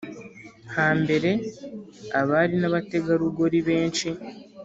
hambere abari n’abategarugori benshi,